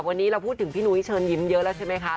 วันนี้เราพูดถึงพี่นุ้ยเชิญยิ้มเยอะแล้วใช่ไหมคะ